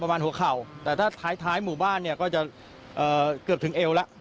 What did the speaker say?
ประมาณหัวเข่าแต่ถ้าถ่ายหมู่บ้านก็จะเกือบถึงเอวแล้ว